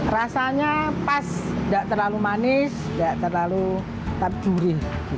rasanya pas tidak terlalu manis tidak terlalu tercuri